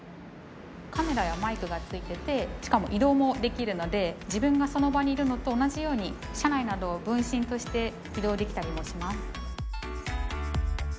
カメラやマイクが付いていてしかも移動もできるので自分がその場にいるのと同じように社内などを分身として移動できたりもします。